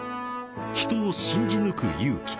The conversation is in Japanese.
［人を信じ抜く勇気］